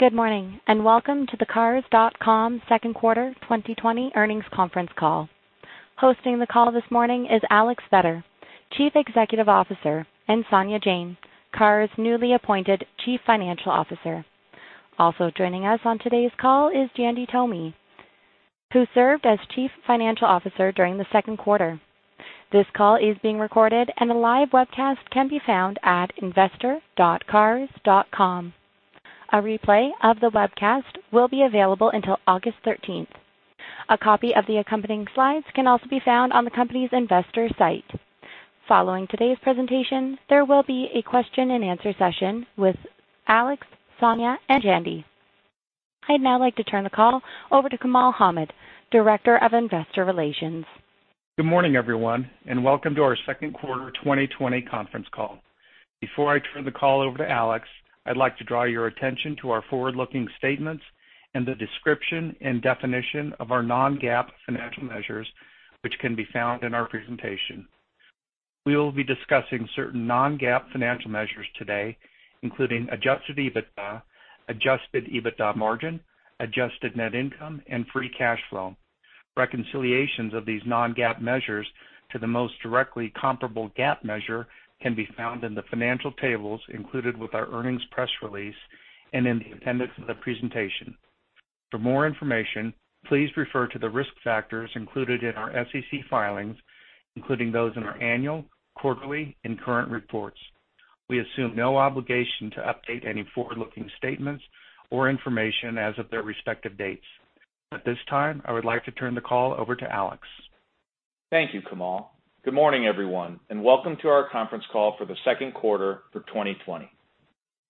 Good morning. Welcome to the Cars.com second quarter 2020 earnings conference call. Hosting the call this morning is Alex Vetter, Chief Executive Officer. Sonia Jain, CARS' newly appointed Chief Financial Officer. Also joining us on today's call is Jandy Tomy, who served as Chief Financial Officer during the second quarter. This call is being recorded. A live webcast can be found at investor.cars.com. A replay of the webcast will be available until August 13th. A copy of the accompanying slides can also be found on the company's investor site. Following today's presentation, there will be a question and answer session with Alex, Sonia, and Jandy. I'd now like to turn the call over to Kamal Hamid, Director of Investor Relations. Good morning everyone. Welcome to our second quarter 2020 conference call. Before I turn the call over to Alex, I'd like to draw your attention to our forward-looking statements and the description and definition of our non-GAAP financial measures, which can be found in our presentation. We will be discussing certain non-GAAP financial measures today, including adjusted EBITDA, adjusted EBITDA margin, adjusted net income, and free cash flow. Reconciliations of these non-GAAP measures to the most directly comparable GAAP measure can be found in the financial tables included with our earnings press release and in the appendix of the presentation. For more information, please refer to the risk factors included in our SEC filings, including those in our annual, quarterly, and current reports. We assume no obligation to update any forward-looking statements or information as of their respective dates. At this time, I would like to turn the call over to Alex. Thank you, Kamal. Good morning, everyone, and welcome to our conference call for the second quarter for 2020.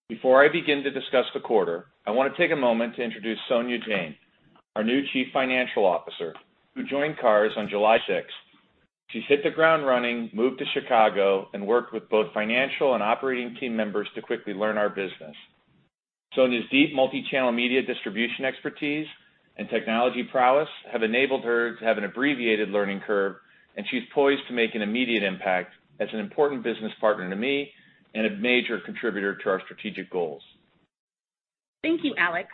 Before I begin to discuss the quarter, I want to take a moment to introduce Sonia Jain, our new Chief Financial Officer, who joined CARS on July 6th. She's hit the ground running, moved to Chicago, and worked with both financial and operating team members to quickly learn our business. Sonia's deep multi-channel media distribution expertise and technology prowess have enabled her to have an abbreviated learning curve. She's poised to make an immediate impact as an important business partner to me and a major contributor to our strategic goals. Thank you, Alex.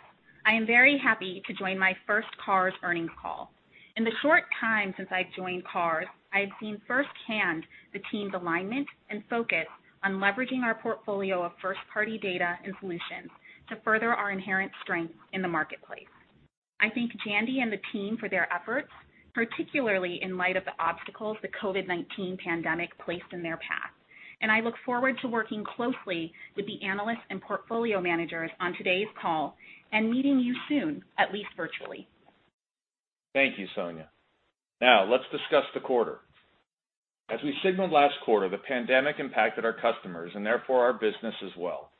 I am very happy to join my first CARS earnings call. In the short time since I've joined CARS, I have seen firsthand the team's alignment and focus on leveraging our portfolio of first-party data and solutions to further our inherent strength in the marketplace. I thank Jandy and the team for their efforts, particularly in light of the obstacles the COVID-19 pandemic placed in their path. I look forward to working closely with the analysts and portfolio managers on today's call and meeting you soon, at least virtually. Thank you, Sonia. Now, let's discuss the quarter. As we signaled last quarter, the pandemic impacted our customers and therefore our business as well.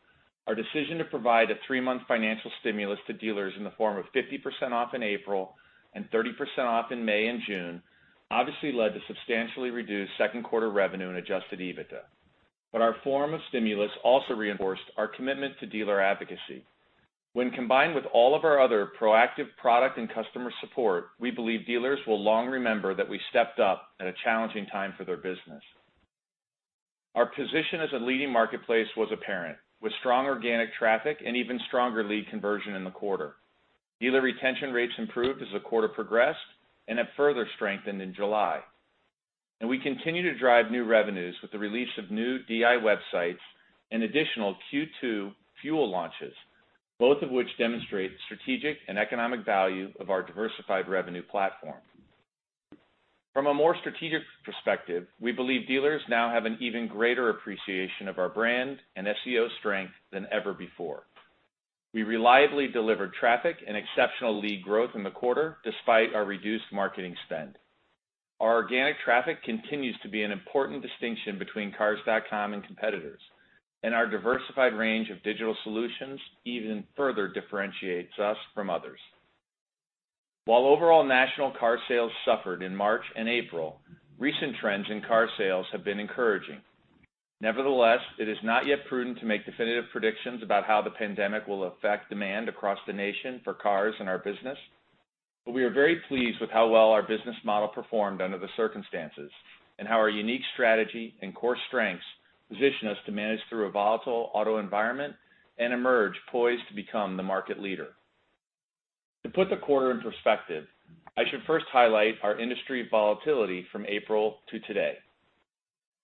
Our decision to provide a three-month financial stimulus to dealers in the form of 50% off in April and 30% off in May and June obviously led to substantially reduced second quarter revenue and adjusted EBITDA. Our form of stimulus also reinforced our commitment to dealer advocacy. When combined with all of our other proactive product and customer support, we believe dealers will long remember that we stepped up at a challenging time for their business. Our position as a leading marketplace was apparent, with strong organic traffic and even stronger lead conversion in the quarter. Dealer retention rates improved as the quarter progressed and have further strengthened in July. We continue to drive new revenues with the release of new DI websites and additional Q2 FUEL launches, both of which demonstrate the strategic and economic value of our diversified revenue platform. From a more strategic perspective, we believe dealers now have an even greater appreciation of our brand and SEO strength than ever before. We reliably delivered traffic and exceptional lead growth in the quarter despite our reduced marketing spend. Our organic traffic continues to be an important distinction between Cars.com and competitors, and our diversified range of digital solutions even further differentiates us from others. While overall national car sales suffered in March and April, recent trends in car sales have been encouraging. Nevertheless, it is not yet prudent to make definitive predictions about how the pandemic will affect demand across the nation for cars and our business. We are very pleased with how well our business model performed under the circumstances and how our unique strategy and core strengths position us to manage through a volatile auto environment and emerge poised to become the market leader. To put the quarter in perspective, I should first highlight our industry volatility from April to today.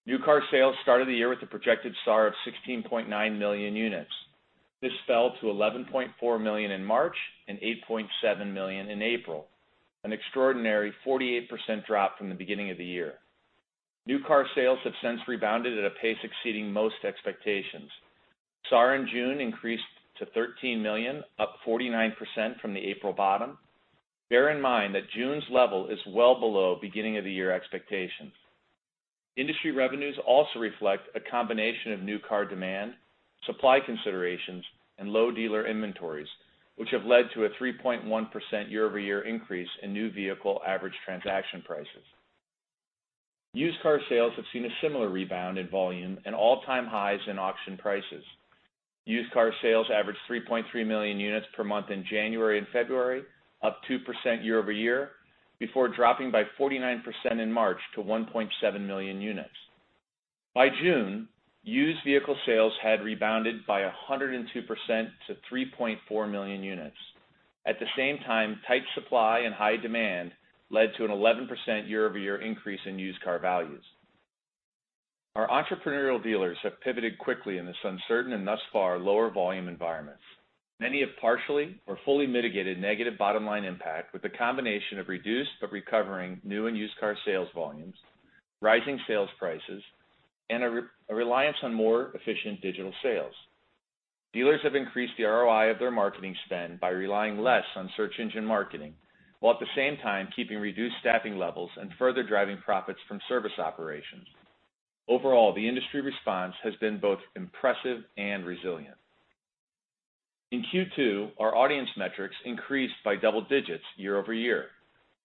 New car sales started the year with a projected SAAR of 16.9 million units. This fell to 11.4 million in March and 8.7 million in April, an extraordinary 48% drop from the beginning of the year. New car sales have since rebounded at a pace exceeding most expectations. SAAR in June increased to 13 million, up 49% from the April bottom. Bear in mind that June's level is well below beginning of the year expectations. Industry revenues also reflect a combination of new car demand, supply considerations, and low dealer inventories, which have led to a 3.1% year-over-year increase in new vehicle average transaction prices. Used car sales have seen a similar rebound in volume and all-time highs in auction prices. Used car sales averaged 3.3 million units per month in January and February, up 2% year-over-year, before dropping by 49% in March to 1.7 million units. By June, used vehicle sales had rebounded by 102% to 3.4 million units. At the same time, tight supply and high demand led to an 11% year-over-year increase in used car values. Our entrepreneurial dealers have pivoted quickly in this uncertain and thus far lower volume environments. Many have partially or fully mitigated negative bottom-line impact with a combination of reduced but recovering new and used car sales volumes, rising sales prices, and a reliance on more efficient digital sales. Dealers have increased the ROI of their marketing spend by relying less on search engine marketing, while at the same time keeping reduced staffing levels and further driving profits from service operations. Overall, the industry response has been both impressive and resilient. In Q2, our audience metrics increased by double digits year-over-year,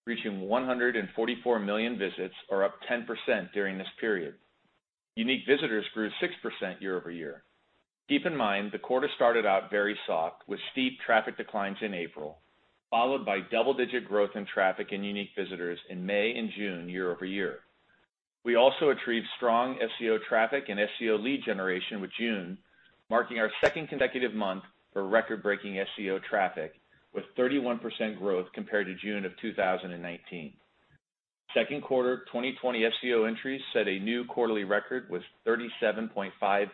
reaching 144 million visits or up 10% during this period. Unique visitors grew 6% year-over-year. Keep in mind, the quarter started out very soft with steep traffic declines in April, followed by double-digit growth in traffic and unique visitors in May and June year-over-year. We also achieved strong SEO traffic and SEO lead generation with June, marking our second consecutive month for record-breaking SEO traffic with 31% growth compared to June of 2019. second quarter 2020 SEO entries set a new quarterly record with 37.5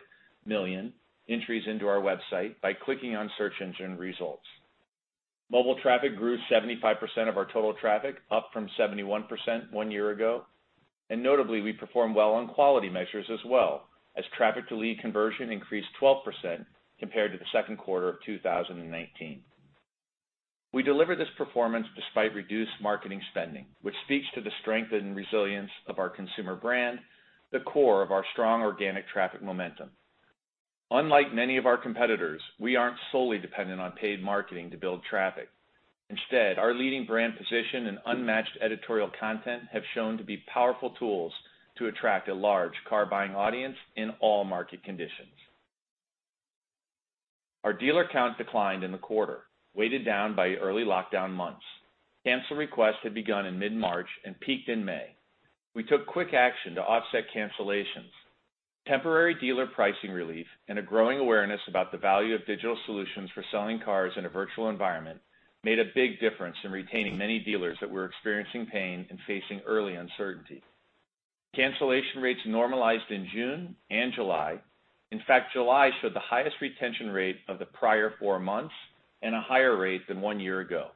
million entries into our website by clicking on search engine results. Mobile traffic grew 75% of our total traffic, up from 71% one year ago. Notably, we performed well on quality measures as well, as traffic to lead conversion increased 12% compared to the second quarter of 2019. We delivered this performance despite reduced marketing spending, which speaks to the strength and resilience of our consumer brand, the core of our strong organic traffic momentum. Unlike many of our competitors, we aren't solely dependent on paid marketing to build traffic. Instead, our leading brand position and unmatched editorial content have shown to be powerful tools to attract a large car-buying audience in all market conditions. Our dealer count declined in the quarter, weighted down by early lockdown months. Cancel requests had begun in mid-March and peaked in May. We took quick action to offset cancellations. Temporary dealer pricing relief and a growing awareness about the value of digital solutions for selling cars in a virtual environment made a big difference in retaining many dealers that were experiencing pain and facing early uncertainty. Cancellation rates normalized in June and July. In fact, July showed the highest retention rate of the prior four months and a higher rate than one year ago.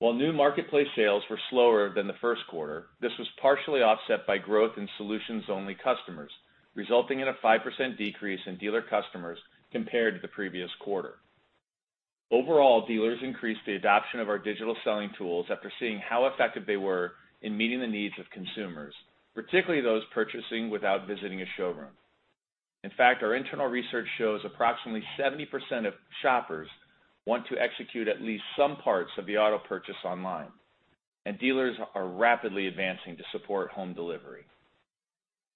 While new marketplace sales were slower than the first quarter, this was partially offset by growth in solutions-only customers, resulting in a 5% decrease in dealer customers compared to the previous quarter. Overall, dealers increased the adoption of our digital selling tools after seeing how effective they were in meeting the needs of consumers, particularly those purchasing without visiting a showroom. In fact, our internal research shows approximately 70% of shoppers want to execute at least some parts of the auto purchase online, and dealers are rapidly advancing to support home delivery.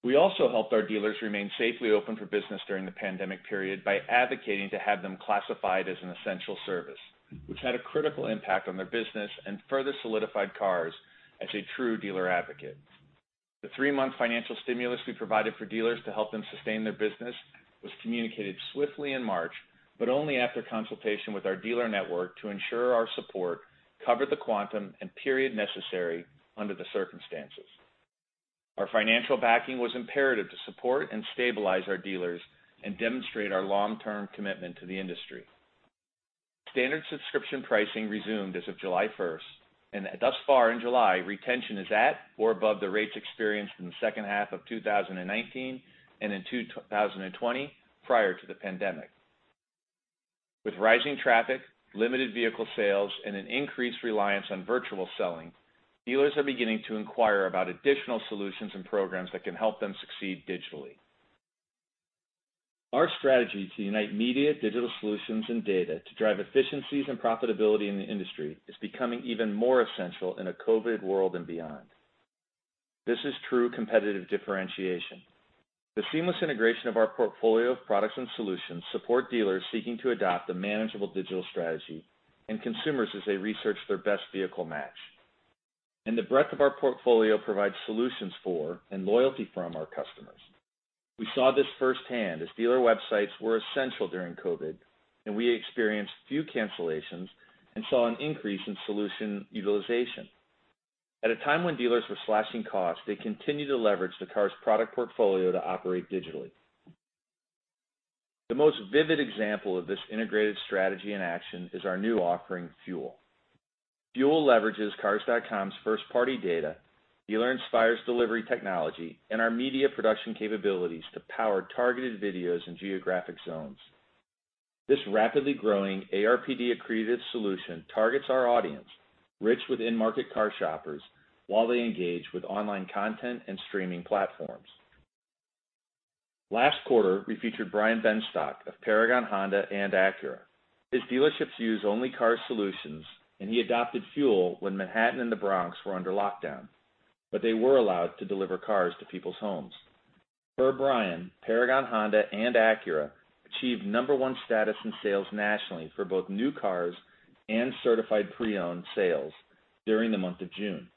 We also helped our dealers remain safely open for business during the pandemic period by advocating to have them classified as an essential service, which had a critical impact on their business and further solidified Cars.com as a true dealer advocate. The three-month financial stimulus we provided for dealers to help them sustain their business was communicated swiftly in March, but only after consultation with our dealer network to ensure our support covered the quantum and period necessary under the circumstances. Our financial backing was imperative to support and stabilize our dealers and demonstrate our long-term commitment to the industry. Standard subscription pricing resumed as of July 1st, and thus far in July, retention is at or above the rates experienced in the second half of 2019 and in 2020 prior to the pandemic. With rising traffic, limited vehicle sales, and an increased reliance on virtual selling, dealers are beginning to inquire about additional solutions and programs that can help them succeed digitally. Our strategy to unite media, digital solutions, and data to drive efficiencies and profitability in the industry is becoming even more essential in a COVID world and beyond. This is true competitive differentiation. The seamless integration of our portfolio of products and solutions support dealers seeking to adopt a manageable digital strategy and consumers as they research their best vehicle match. The breadth of our portfolio provides solutions for and loyalty from our customers. We saw this firsthand as dealer websites were essential during COVID, and we experienced few cancellations and saw an increase in solution utilization. At a time when dealers were slashing costs, they continued to leverage the CARS product portfolio to operate digitally. The most vivid example of this integrated strategy in action is our new offering, FUEL. FUEL leverages Cars.com's first-party data, Dealer Inspire's delivery technology, and our media production capabilities to power targeted videos in geographic zones. This rapidly growing ARPD accretive solution targets our audience, rich with in-market car shoppers, while they engage with online content and streaming platforms. Last quarter, we featured Brian Benstock of Paragon Honda and Acura. His dealerships use only CARS solutions, and he adopted FUEL when Manhattan and the Bronx were under lockdown, but they were allowed to deliver cars to people's homes. Per Brian, Paragon Honda and Acura achieved number one status in sales nationally for both new cars and certified pre-owned sales during the month of June.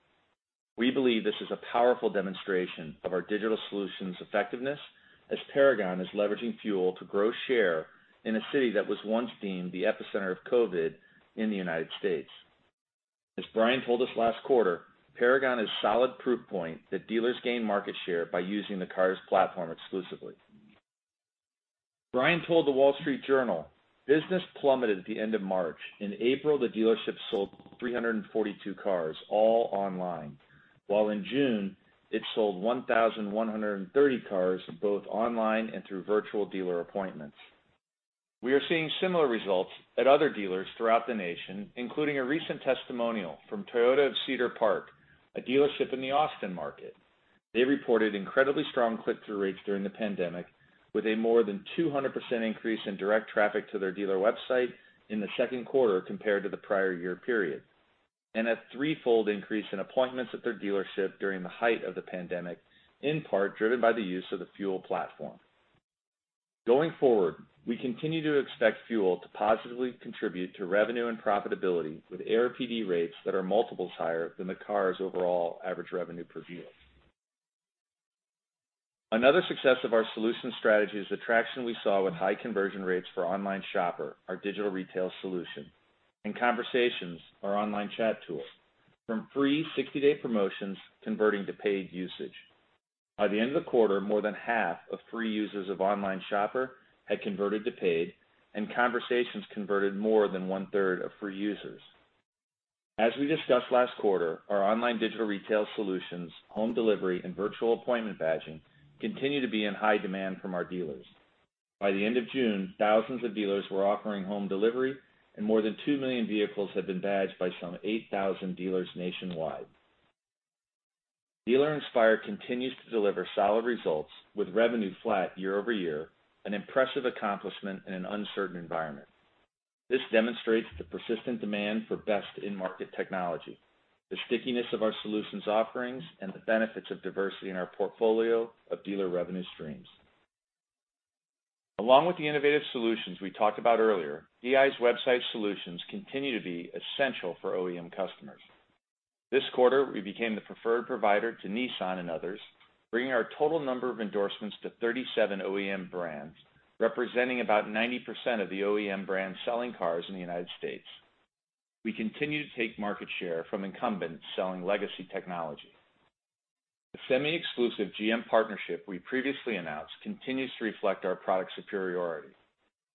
We believe this is a powerful demonstration of our digital solutions' effectiveness, as Paragon is leveraging FUEL to grow share in a city that was once deemed the epicenter of COVID in the United States. As Brian told us last quarter, Paragon is a solid proof point that dealers gain market share by using the CARS platform exclusively. Brian told The Wall Street Journal, "Business plummeted at the end of March." In April, the dealership sold 342 cars, all online, while in June, it sold 1,130 cars, both online and through virtual dealer appointments. We are seeing similar results at other dealers throughout the nation, including a recent testimonial from Toyota of Cedar Park, a dealership in the Austin market. They reported incredibly strong click-through rates during the pandemic, with a more than 200% increase in direct traffic to their dealer website in the second quarter compared to the prior year period, and a threefold increase in appointments at their dealership during the height of the pandemic, in part driven by the use of the FUEL platform. Going forward, we continue to expect FUEL to positively contribute to revenue and profitability with ARPD rates that are multiples higher than the CARS overall average revenue per dealer. Another success of our solution strategy is the traction we saw with high conversion rates for Online Shopper, our digital retail solution, and Conversations, our online chat tool, from free 60-day promotions converting to paid usage. By the end of the quarter, more than half of free users of Online Shopper had converted to paid, and Conversations converted more than one-third of free users. As we discussed last quarter, our online digital retail solutions, home delivery, and virtual appointment badging continue to be in high demand from our dealers. By the end of June, thousands of dealers were offering home delivery, and more than 2 million vehicles had been badged by some 8,000 dealers nationwide. Dealer Inspire continues to deliver solid results with revenue flat year-over-year, an impressive accomplishment in an uncertain environment. This demonstrates the persistent demand for best-in-market technology, the stickiness of our solutions offerings, and the benefits of diversity in our portfolio of dealer revenue streams. Along with the innovative solutions we talked about earlier, DI's website solutions continue to be essential for OEM customers. This quarter, we became the preferred provider to Nissan and others, bringing our total number of endorsements to 37 OEM brands, representing about 90% of the OEM brands selling cars in the United States. We continue to take market share from incumbents selling legacy technology. The semi-exclusive GM partnership we previously announced continues to reflect our product superiority.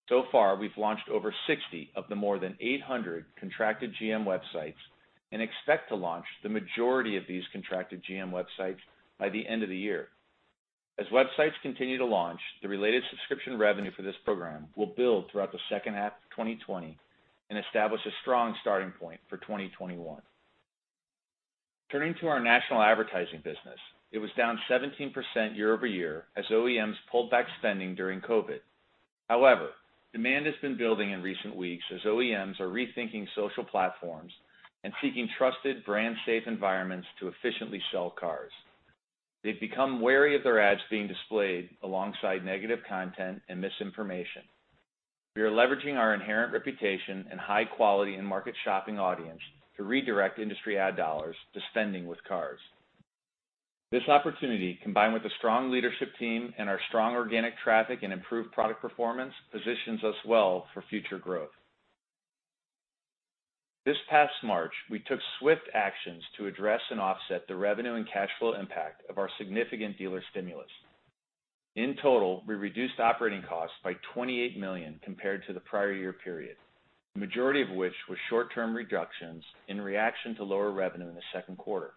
So far, we've launched over 60 of the more than 800 contracted GM websites and expect to launch the majority of these contracted GM websites by the end of the year. As websites continue to launch, the related subscription revenue for this program will build throughout the second half of 2020 and establish a strong starting point for 2021. Turning to our national advertising business, it was down 17% year-over-year as OEMs pulled back spending during COVID-19. Demand has been building in recent weeks as OEMs are rethinking social platforms and seeking trusted brand-safe environments to efficiently sell cars. They've become wary of their ads being displayed alongside negative content and misinformation. We are leveraging our inherent reputation and high quality in-market shopping audience to redirect industry ad dollars to spending with Cars.com. This opportunity, combined with a strong leadership team and our strong organic traffic and improved product performance, positions us well for future growth. This past March, we took swift actions to address and offset the revenue and cash flow impact of our significant dealer stimulus. In total, we reduced operating costs by $28 million compared to the prior year period, the majority of which was short-term reductions in reaction to lower revenue in the second quarter.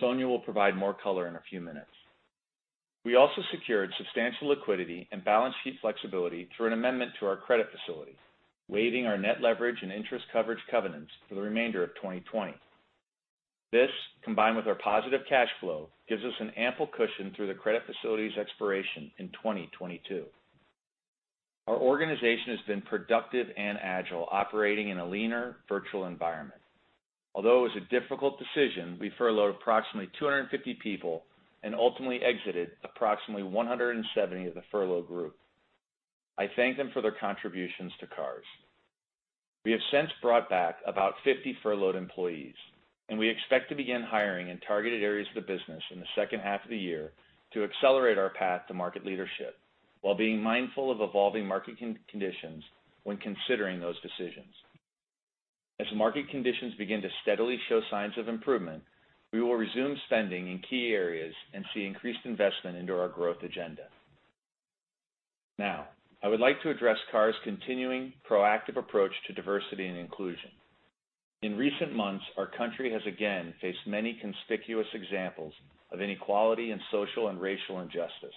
Sonia will provide more color in a few minutes. We also secured substantial liquidity and balance sheet flexibility through an amendment to our credit facility, waiving our net leverage and interest coverage covenants for the remainder of 2020. This, combined with our positive cash flow, gives us an ample cushion through the credit facility's expiration in 2022. Our organization has been productive and agile operating in a leaner virtual environment. Although it was a difficult decision, we furloughed approximately 250 people and ultimately exited approximately 170 of the furloughed group. I thank them for their contributions to Cars.com. We have since brought back about 50 furloughed employees, and we expect to begin hiring in targeted areas of the business in the second half of the year to accelerate our path to market leadership while being mindful of evolving market conditions when considering those decisions. As market conditions begin to steadily show signs of improvement, we will resume spending in key areas and see increased investment into our growth agenda. I would like to address CARS' continuing proactive approach to diversity and inclusion. In recent months, our country has again faced many conspicuous examples of inequality and social and racial injustice.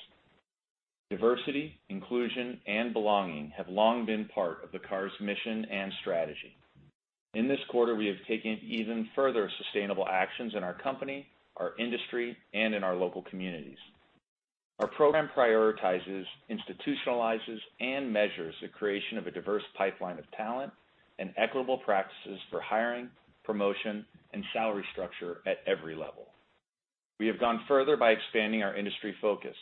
Diversity, inclusion, and belonging have long been part of the CARS mission and strategy. In this quarter, we have taken even further sustainable actions in our company, our industry, and in our local communities. Our program prioritizes, institutionalizes, and measures the creation of a diverse pipeline of talent and equitable practices for hiring, promotion, and salary structure at every level. We have gone further by expanding our industry focus.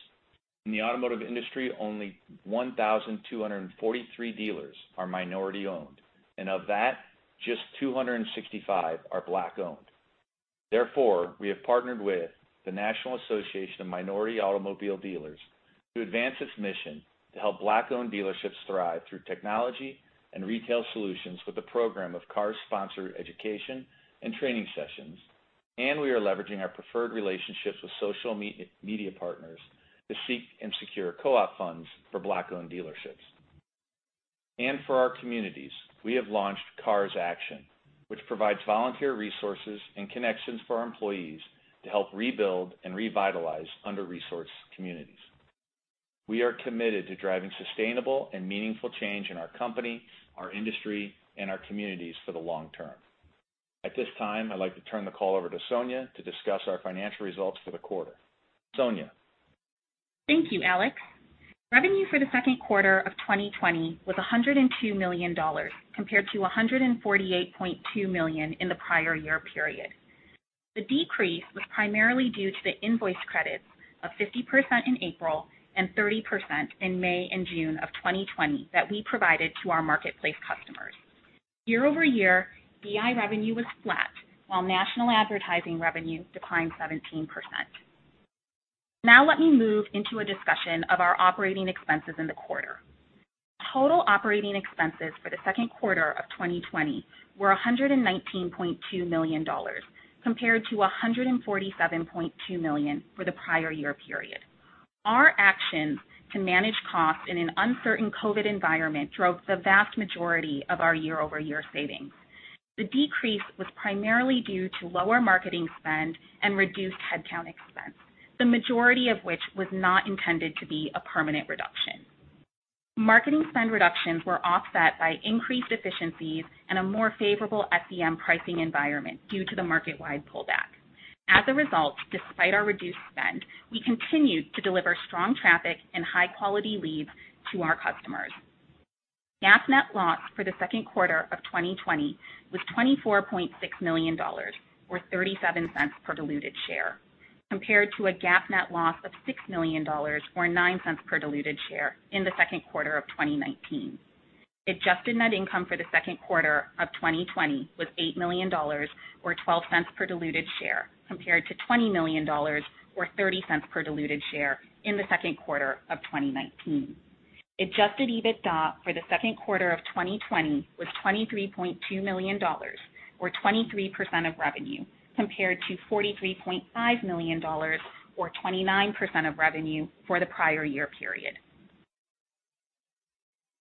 In the automotive industry, only 1,243 dealers are minority-owned, and of that, just 265 are Black-owned. Therefore, we have partnered with the National Association of Minority Automobile Dealers to advance its mission to help Black-owned dealerships thrive through technology and retail solutions with a program of CARS-sponsored education and training sessions, and we are leveraging our preferred relationships with social media partners to seek and secure co-op funds for Black-owned dealerships. For our communities, we have launched CARS Action, which provides volunteer resources and connections for our employees to help rebuild and revitalize under-resourced communities. We are committed to driving sustainable and meaningful change in our company, our industry, and our communities for the long term. At this time, I'd like to turn the call over to Sonia to discuss our financial results for the quarter. Sonia? Thank you, Alex. Revenue for the second quarter of 2020 was $102 million, compared to $148.2 million in the prior year period. The decrease was primarily due to the invoice credits of 50% in April and 30% in May and June of 2020 that we provided to our marketplace customers. Year-over-year, DI revenue was flat, while national advertising revenue declined 17%. Let me move into a discussion of our operating expenses in the quarter. Total operating expenses for the second quarter of 2020 were $119.2 million, compared to $147.2 million for the prior year period. Our actions to manage costs in an uncertain COVID-19 environment drove the vast majority of our year-over-year savings. The decrease was primarily due to lower marketing spend and reduced headcount expense, the majority of which was not intended to be a permanent reduction. Marketing spend reductions were offset by increased efficiencies and a more favorable SEM pricing environment due to the market-wide pullback. As a result, despite our reduced spend, we continued to deliver strong traffic and high-quality leads to our customers. GAAP net loss for the second quarter of 2020 was $24.6 million, or $0.37 per diluted share, compared to a GAAP net loss of $6 million, or $0.09 per diluted share in the second quarter of 2019. Adjusted net income for the second quarter of 2020 was $8 million, or $0.12 per diluted share, compared to $20 million, or $0.30 per diluted share in the second quarter of 2019. Adjusted EBITDA for the second quarter of 2020 was $23.2 million, or 23% of revenue, compared to $43.5 million, or 29% of revenue for the prior year period.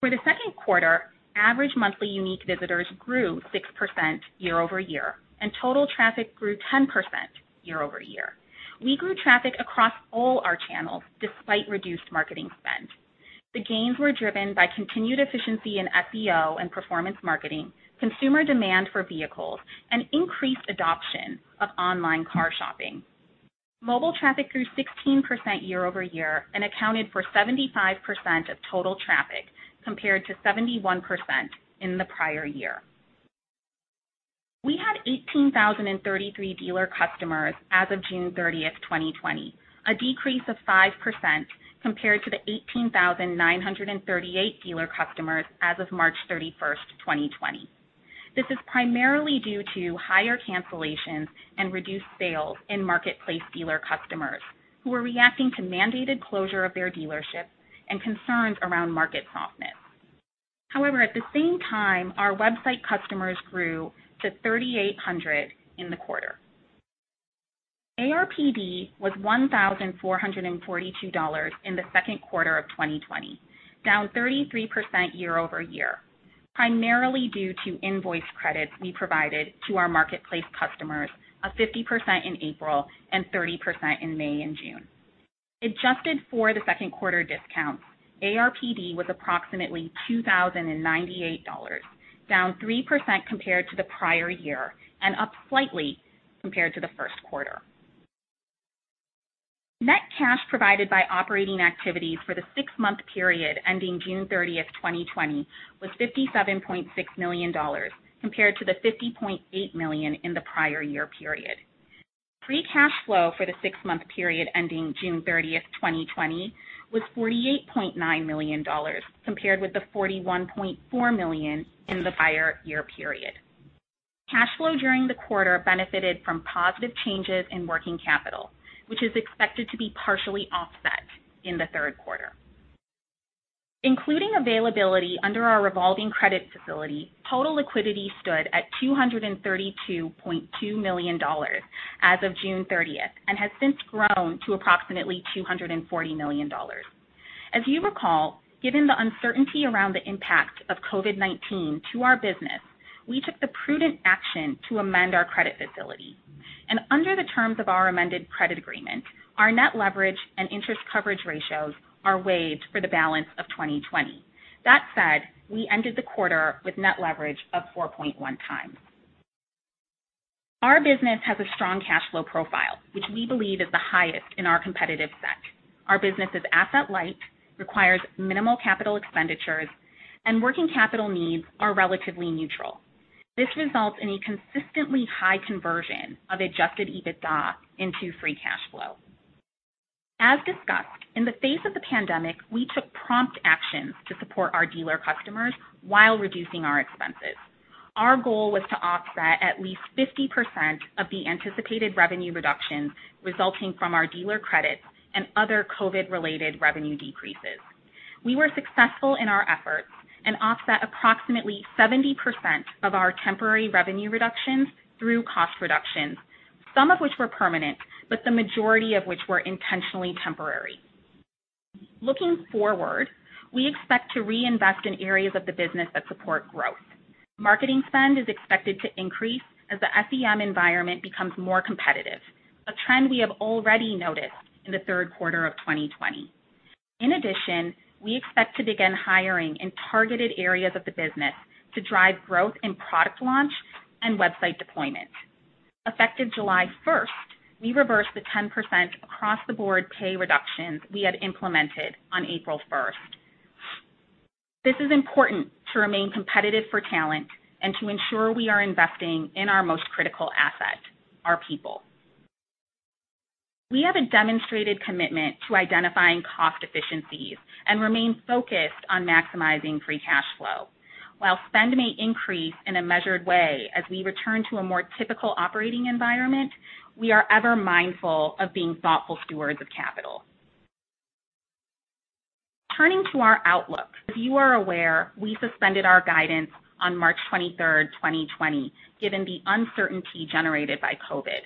For the second quarter, average monthly unique visitors grew 6% year-over-year, and total traffic grew 10% year-over-year. We grew traffic across all our channels, despite reduced marketing spend. The gains were driven by continued efficiency in SEO and performance marketing, consumer demand for vehicles, and increased adoption of online car shopping. Mobile traffic grew 16% year-over-year and accounted for 75% of total traffic, compared to 71% in the prior year. We had 18,033 dealer customers as of June 30, 2020, a decrease of 5% compared to the 18,938 dealer customers as of March 31, 2020. This is primarily due to higher cancellations and reduced sales in marketplace dealer customers who are reacting to mandated closure of their dealerships and concerns around market softness. However, at the same time, our website customers grew to 3,800 in the quarter. ARPD was $1,442 in the second quarter of 2020, down 33% year-over-year, primarily due to invoice credits we provided to our marketplace customers of 50% in April and 30% in May and June. Adjusted for the second quarter discount, ARPD was approximately $2,098, down 3% compared to the prior year and up slightly compared to the first quarter. Net cash provided by operating activities for the six-month period ending June 30, 2020 was $57.6 million, compared to the $50.8 million in the prior year period. Free cash flow for the six-month period ending June 30, 2020 was $48.9 million, compared with the $41.4 million in the prior year period. Cash flow during the quarter benefited from positive changes in working capital, which is expected to be partially offset in the third quarter. Including availability under our revolving credit facility, total liquidity stood at $232.2 million as of June 30th and has since grown to approximately $240 million. As you recall, given the uncertainty around the impact of COVID-19 to our business, we took the prudent action to amend our credit facility. Under the terms of our amended credit agreement, our net leverage and interest coverage ratios are waived for the balance of 2020. That said, we ended the quarter with net leverage of 4.1x. Our business has a strong cash flow profile, which we believe is the highest in our competitive set. Our business is asset light, requires minimal capital expenditures, and working capital needs are relatively neutral. This results in a consistently high conversion of adjusted EBITDA into free cash flow. As discussed, in the face of the pandemic, we took prompt actions to support our dealer customers while reducing our expenses. Our goal was to offset at least 50% of the anticipated revenue reduction resulting from our dealer credits and other COVID-19 related revenue decreases. We were successful in our efforts and offset approximately 70% of our temporary revenue reductions through cost reductions, some of which were permanent, but the majority of which were intentionally temporary. Looking forward, we expect to reinvest in areas of the business that support growth. Marketing spend is expected to increase as the SEM environment becomes more competitive, a trend we have already noticed in the third quarter of 2020. In addition, we expect to begin hiring in targeted areas of the business to drive growth in product launch and website deployment. Effective July 1st, we reversed the 10% across the board pay reductions we had implemented on April 1st. This is important to remain competitive for talent and to ensure we are investing in our most critical asset, our people. We have a demonstrated commitment to identifying cost efficiencies and remain focused on maximizing free cash flow. While spend may increase in a measured way as we return to a more typical operating environment, we are ever mindful of being thoughtful stewards of capital. Turning to our outlook, as you are aware, we suspended our guidance on March 23rd, 2020, given the uncertainty generated by COVID-19.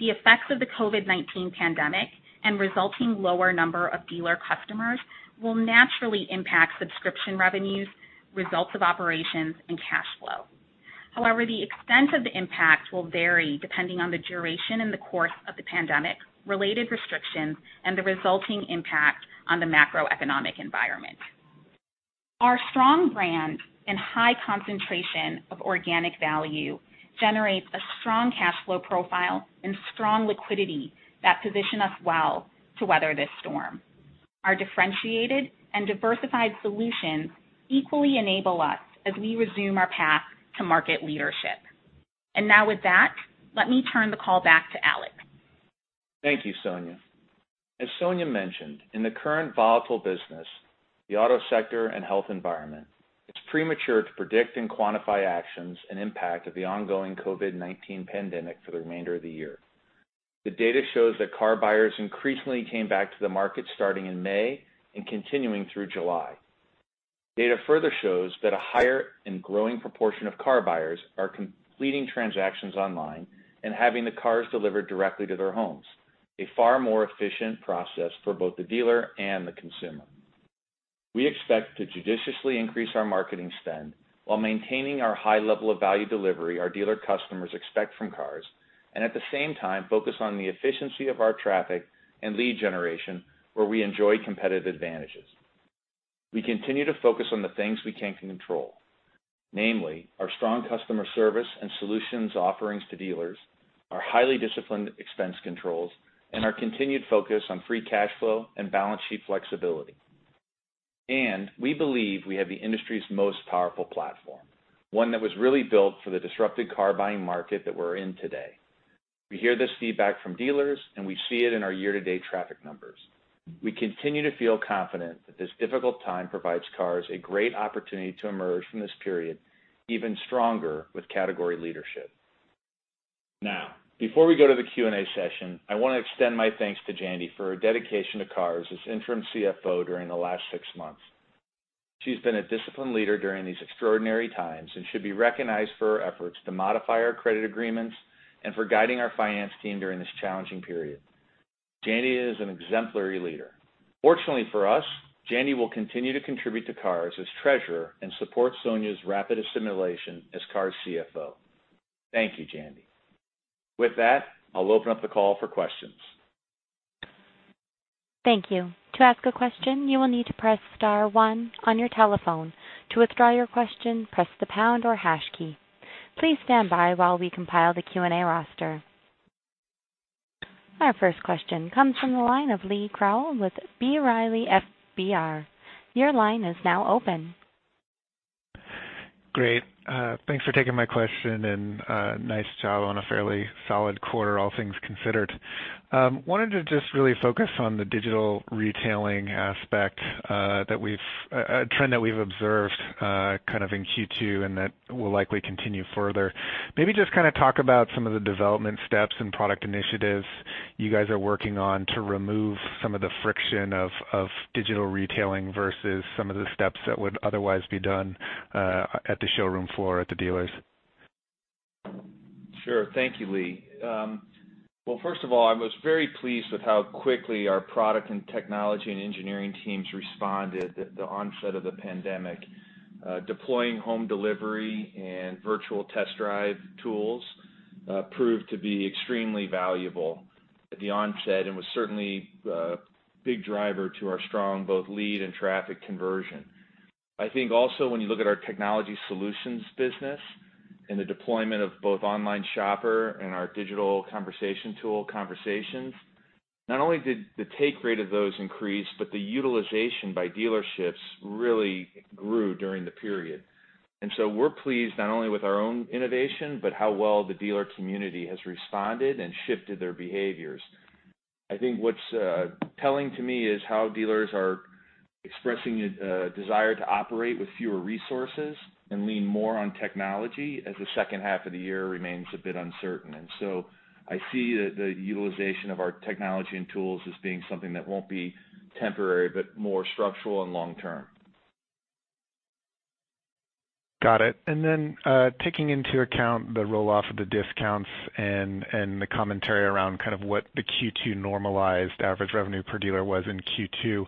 The effects of the COVID-19 pandemic and resulting lower number of dealer customers will naturally impact subscription revenues, results of operations, and cash flow. However, the extent of the impact will vary depending on the duration and the course of the pandemic, related restrictions, and the resulting impact on the macroeconomic environment. Our strong brand and high concentration of organic value generates a strong cash flow profile and strong liquidity that position us well to weather this storm. Our differentiated and diversified solutions equally enable us as we resume our path to market leadership. Now with that, let me turn the call back to Alex. Thank you, Sonia. As Sonia mentioned, in the current volatile business, the auto sector and health environment, it's premature to predict and quantify actions and impact of the ongoing COVID-19 pandemic for the remainder of the year. The data shows that car buyers increasingly came back to the market starting in May and continuing through July. Data further shows that a higher and growing proportion of car buyers are completing transactions online and having the cars delivered directly to their homes, a far more efficient process for both the dealer and the consumer. We expect to judiciously increase our marketing spend while maintaining our high level of value delivery our dealer customers expect from CARS, and at the same time, focus on the efficiency of our traffic and lead generation, where we enjoy competitive advantages. We continue to focus on the things we can control. Namely, our strong customer service and solutions offerings to dealers, our highly disciplined expense controls, and our continued focus on free cash flow and balance sheet flexibility. We believe we have the industry's most powerful platform, one that was really built for the disrupted car buying market that we're in today. We hear this feedback from dealers, and we see it in our year-to-date traffic numbers. We continue to feel confident that this difficult time provides CARS a great opportunity to emerge from this period even stronger with category leadership. Now, before we go to the Q&A session, I want to extend my thanks to Jandy for her dedication to CARS as Interim CFO during the last six months. She's been a disciplined leader during these extraordinary times and should be recognized for her efforts to modify our credit agreements and for guiding our finance team during this challenging period. Jandy is an exemplary leader. Fortunately for us, Jandy will continue to contribute to CARS as treasurer and support Sonia's rapid assimilation as CARS CFO. Thank you, Jandy. With that, I'll open up the call for questions. Thank you. To ask a question, you will need to press star one on your telephone. To withdraw your question, press the pound or hash key. Please stand by while we compile the Q&A roster. Our first question comes from the line of Lee Krowl with B. Riley FBR. Your line is now open. Great. Thanks for taking my question, and nice job on a fairly solid quarter, all things considered. Wanted to just really focus on the digital retailing aspect trend that we've observed kind of in Q2 and that will likely continue further. Maybe just kind of talk about some of the development steps and product initiatives you guys are working on to remove some of the friction of digital retailing versus some of the steps that would otherwise be done at the showroom floor at the dealers. Sure. Thank you, Lee. Well, first of all, I was very pleased with how quickly our product and technology and engineering teams responded at the onset of the pandemic. Deploying home delivery and virtual test drive tools proved to be extremely valuable at the onset and was certainly a big driver to our strong both lead and traffic conversion. I think also when you look at our technology solutions business. In the deployment of both Online Shopper and our digital conversation tool, Conversations, not only did the take rate of those increase, but the utilization by dealerships really grew during the period. We're pleased not only with our own innovation, but how well the dealer community has responded and shifted their behaviors. I think what's telling to me is how dealers are expressing a desire to operate with fewer resources and lean more on technology as the second half of the year remains a bit uncertain. I see the utilization of our technology and tools as being something that won't be temporary, but more structural and long-term. Got it. Then, taking into account the roll-off of the discounts and the commentary around what the Q2 normalized average revenue per dealer was in Q2.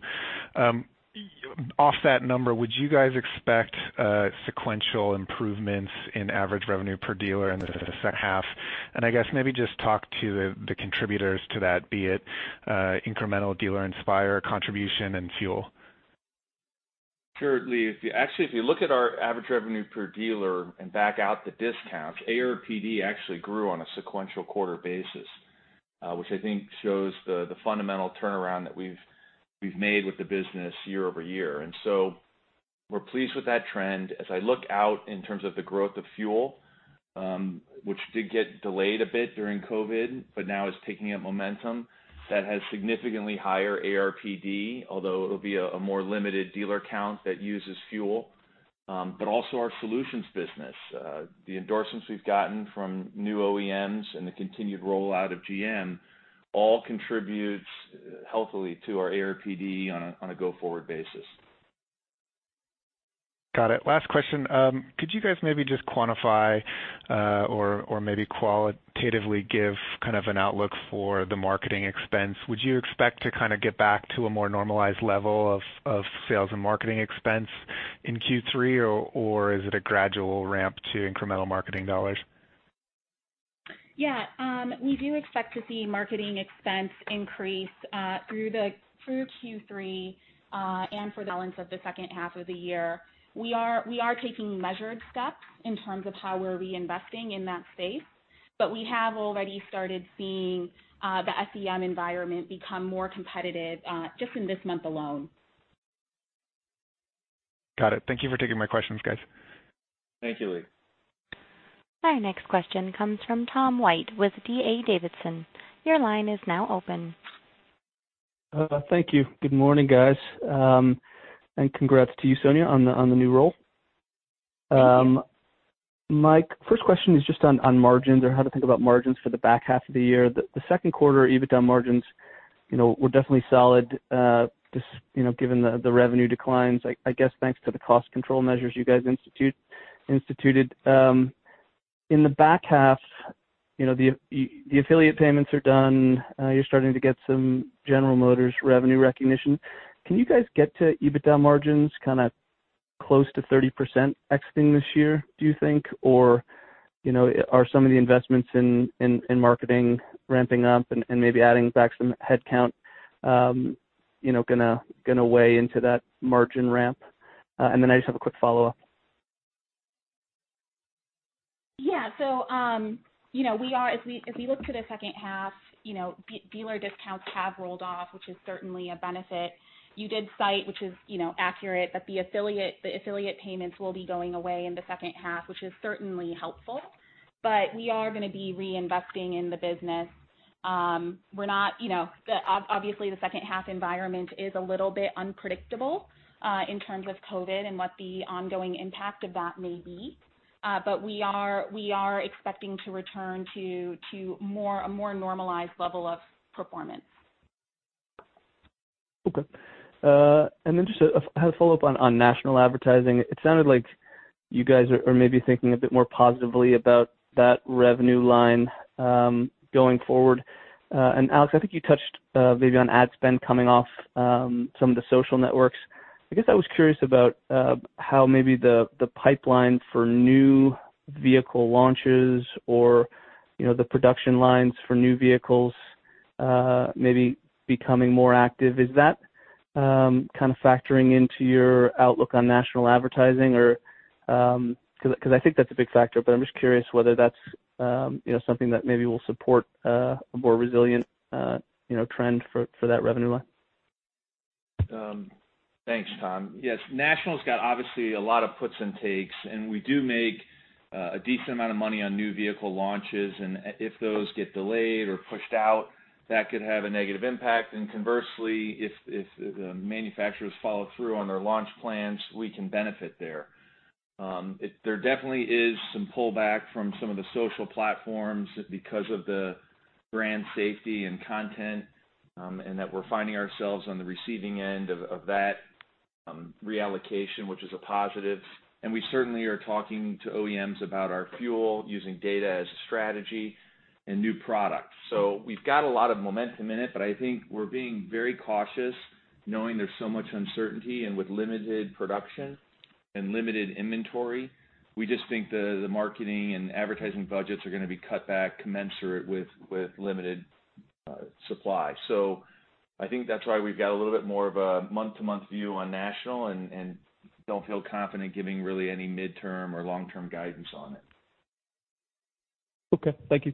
Off that number, would you guys expect sequential improvements in average revenue per dealer in the second half? I guess maybe just talk to the contributors to that, be it incremental Dealer Inspire contribution and FUEL. Sure, Lee. Actually, if you look at our average revenue per dealer and back out the discounts, ARPD actually grew on a sequential quarter basis, which I think shows the fundamental turnaround that we've made with the business year-over-year. We're pleased with that trend. As I look out in terms of the growth of FUEL, which did get delayed a bit during COVID-19, but now is taking up momentum. That has significantly higher ARPD, although it'll be a more limited dealer count that uses FUEL. Our solutions business. The endorsements we've gotten from new OEMs and the continued rollout of GM all contributes healthily to our ARPD on a go-forward basis. Got it. Last question. Could you guys maybe just quantify or maybe qualitatively give an outlook for the marketing expense? Would you expect to get back to a more normalized level of sales and marketing expense in Q3, or is it a gradual ramp to incremental marketing dollars? Yeah. We do expect to see marketing expense increase through Q3, and for the balance of the second half of the year. We are taking measured steps in terms of how we're reinvesting in that space. We have already started seeing the SEM environment become more competitive just in this month alone. Got it. Thank you for taking my questions, guys. Thank you, Lee. Our next question comes from Tom White with D.A. Davidson. Your line is now open. Thank you. Good morning, guys. Congrats to you, Sonia, on the new role. My first question is just on margins or how to think about margins for the back half of the year. The second quarter EBITDA margins were definitely solid given the revenue declines, I guess, thanks to the cost control measures you guys instituted. In the back half, the affiliate payments are done. You're starting to get some General Motors revenue recognition. Can you guys get to EBITDA margins close to 30% exiting this year, do you think? Or are some of the investments in marketing ramping up and maybe adding back some headcount going to weigh into that margin ramp? I just have a quick follow-up. As we look to the second half, dealer discounts have rolled off, which is certainly a benefit. You did cite, which is accurate, that the affiliate payments will be going away in the second half, which is certainly helpful, but we are going to be reinvesting in the business. Obviously, the second half environment is a little bit unpredictable in terms of COVID-19 and what the ongoing impact of that may be. We are expecting to return to a more normalized level of performance. Okay. Then just a follow-up on national advertising. It sounded like you guys are maybe thinking a bit more positively about that revenue line going forward. Alex, I think you touched maybe on ad spend coming off some of the social networks. I guess I was curious about how maybe the pipeline for new vehicle launches or the production lines for new vehicles maybe becoming more active. Is that factoring into your outlook on national advertising? I think that's a big factor, but I'm just curious whether that's something that maybe will support a more resilient trend for that revenue line. Thanks, Tom. Yes. National's got obviously a lot of puts and takes. We do make a decent amount of money on new vehicle launches. If those get delayed or pushed out, that could have a negative impact. Conversely, if the manufacturers follow through on their launch plans, we can benefit there. There definitely is some pullback from some of the social platforms because of the brand safety and content. That we're finding ourselves on the receiving end of that reallocation, which is a positive. We certainly are talking to OEMs about our FUEL, using data as a strategy and new products. We've got a lot of momentum in it. I think we're being very cautious knowing there's so much uncertainty and with limited production and limited inventory. We just think the marketing and advertising budgets are going to be cut back commensurate with limited supply. I think that's why we've got a little bit more of a month-to-month view on national and don't feel confident giving really any midterm or long-term guidance on it. Okay. Thank you.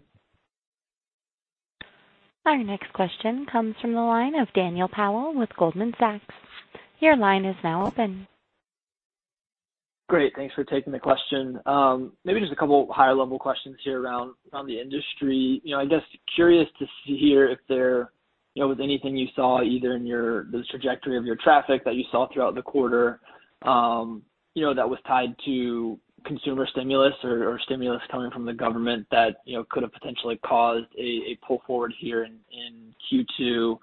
Our next question comes from the line of Daniel Powell with Goldman Sachs. Your line is now open. Great. Thanks for taking the question. Maybe just a couple higher level questions here around the industry. I guess curious to hear if there was anything you saw either in the trajectory of your traffic that you saw throughout the quarter that was tied to consumer stimulus or stimulus coming from the government that could have potentially caused a pull forward here in Q2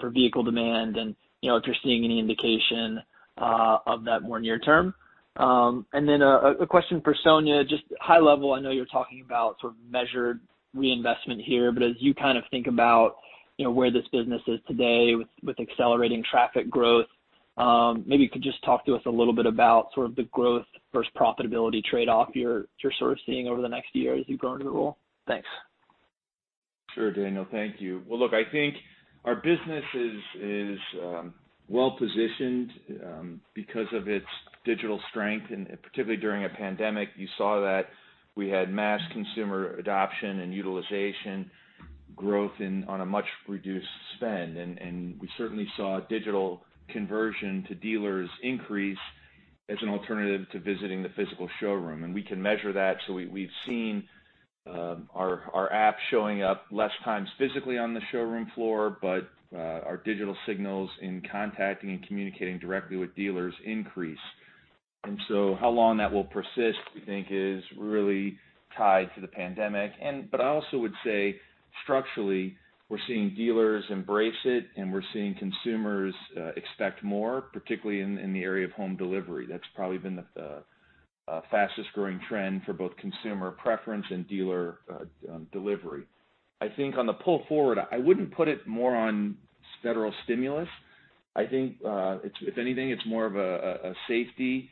for vehicle demand, and if you're seeing any indication of that more near term. Then a question for Sonia, just high level, I know you're talking about sort of measured reinvestment here, but as you kind of think about where this business is today with accelerating traffic growth, maybe you could just talk to us a little bit about sort of the growth versus profitability trade-off you're sort of seeing over the next year as you go into the role. Thanks. Sure, Daniel. Thank you. Well, look, I think our business is well-positioned because of its digital strength, and particularly during a pandemic, you saw that we had mass consumer adoption and utilization growth on a much reduced spend. We certainly saw digital conversion to dealers increase as an alternative to visiting the physical showroom. We can measure that. We've seen our app showing up less times physically on the showroom floor. Our digital signals in contacting and communicating directly with dealers increase. How long that will persist, we think, is really tied to the pandemic. I also would say structurally, we're seeing dealers embrace it, and we're seeing consumers expect more, particularly in the area of home delivery. That's probably been the fastest-growing trend for both consumer preference and dealer delivery. I think on the pull forward, I wouldn't put it more on federal stimulus. I think if anything, it's more of a safety